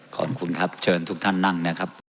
ขอบคุณครับเชิญทุกท่านนั่งนะครับ